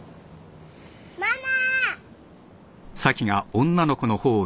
・ママ。